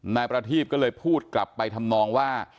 นายประทีบก็เลยพูดกลับไปทำนองว่า